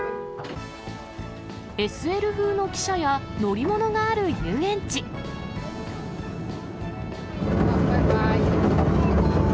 ＳＬ風の汽車や乗り物があるバイバイ。